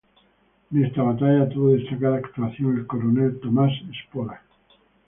En esta batalla tuvo destacada actuación el coronel Tomás Espora.